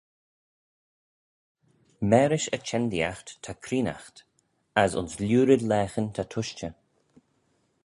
Marish y chenndeeaght ta creenaght as ayns lhiurid laghyn ta tushtey.